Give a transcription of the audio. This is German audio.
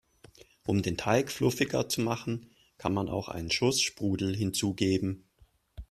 Um den Teig fluffiger zu machen, kann man auch einen Schuss Sprudel hinzugeben.